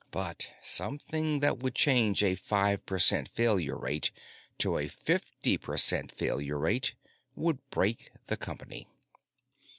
But something that would change a five percent failure rate to a fifty percent failure rate would break the company.